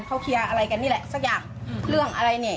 เขาเคลียร์อะไรกันนี่แหละสักอย่างเรื่องอะไรเนี่ย